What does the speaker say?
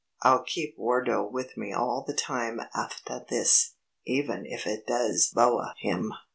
I'll keep Wardo with me all the time aftah this, even if it does bo'ah him."